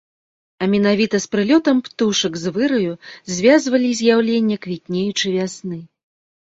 А менавіта з прылётам птушак з выраю звязвалі з'яўленне квітнеючай вясны.